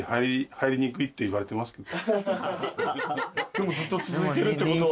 でもずっと続いてるってことは。